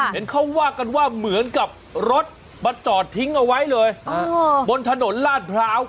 เห็นเขาว่ากันว่าเหมือนกับรถมาจอดทิ้งเอาไว้เลยบนถนนลาดพร้าว